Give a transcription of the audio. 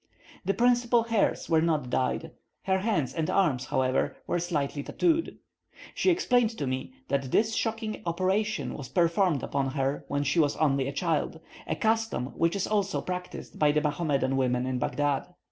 The principal hairs were not dyed; her hands and arms, however, were slightly tattooed. She explained to me that this shocking operation was performed upon her when she was only a child, a custom which is also practised by the Mahomedan women in Baghdad.